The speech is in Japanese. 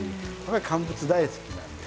乾物大好きなんで。